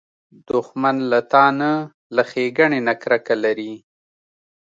دښمن له تا نه، له ښېګڼې نه کرکه لري